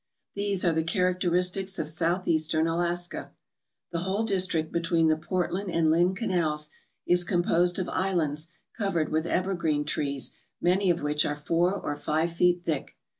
These are the characteristics of Southeastern Alaska. The whole district between the Portland and Lynn canals is composed of islands covered with evergreen trees many of which are four or five feet thick.